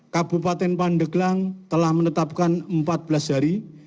kabupaten pandeglang telah menetapkan empat belas hari